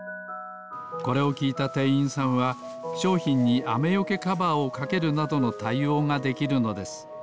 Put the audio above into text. これをきいたてんいんさんはしょうひんにあめよけカバーをかけるなどのたいおうができるのです。